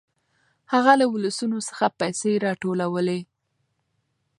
هغه له ولسونو څخه پيسې راټولولې.